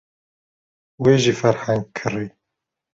Wê jî ferheng kirî.